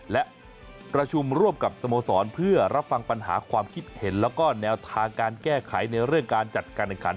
และประชุมร่วมกับสโมสรเพื่อรับฟังปัญหาความคิดเห็นแล้วก็แนวทางการแก้ไขในเรื่องการจัดการแห่งขัน